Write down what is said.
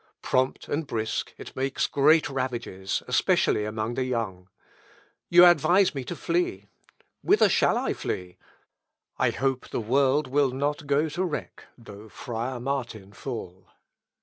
Prompt and brisk, it makes great ravages, especially among the young. You advise me to flee. Whither shall I flee? I hope the world will not go to wreck though friar Martin fall.